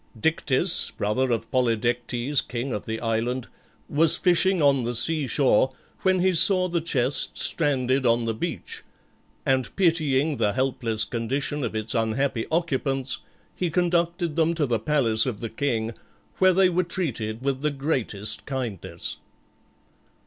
Dictys, brother of Polydectes, king of the island, was fishing on the sea shore when he saw the chest stranded on the beach; and pitying the helpless condition of its unhappy occupants, he conducted them to the palace of the king, where they were treated with the greatest kindness.